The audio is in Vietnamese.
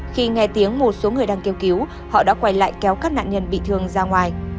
khi nghe tiếng một số người đang kêu cứu họ đã quay lại kéo các nạn nhân bị thương ra ngoài